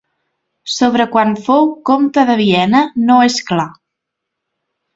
Sobre quan fou comte de Viena no és clar.